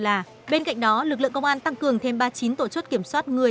là nếu như anh đi tiêm phòng